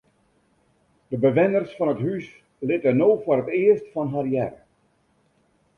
De bewenners fan it hús litte no foar it earst fan har hearre.